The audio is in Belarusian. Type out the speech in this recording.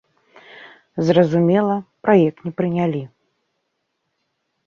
Зразумела, праект не прынялі.